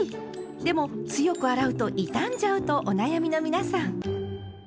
でも強く洗うと傷んじゃうとお悩みの皆さん。